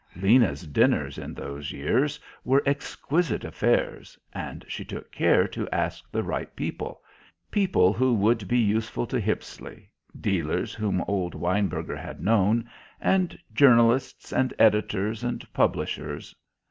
Lena's dinners, in those years, were exquisite affairs, and she took care to ask the right people, people who would be useful to Hippisley, dealers whom old Weinberger had known, and journalists and editors and publishers.